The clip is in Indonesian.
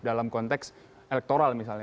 dalam konteks elektoral misalnya